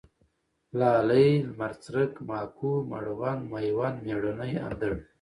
لالی ، لمرڅرک ، ماکو ، مړوند ، مېوند ، مېړنی، اندړ